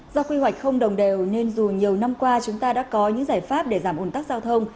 do quy hoạch không đồng đều nên dù nhiều năm qua chúng ta đã có những giải pháp để giảm ồn tắc giao thông